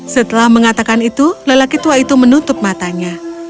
setelah mengatakan itu lelaki tua itu menutup matanya